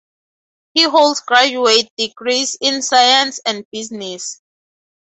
He holds graduate degrees in Science and Business.